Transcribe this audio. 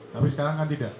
tapi sekarang kan tidak